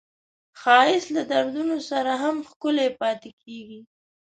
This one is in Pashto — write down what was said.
ښایست له دردونو سره هم ښکلی پاتې کېږي